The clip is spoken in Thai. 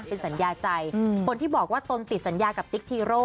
เป็นสัญญาใจคนที่บอกว่าตนติดสัญญากับติ๊กชีโร่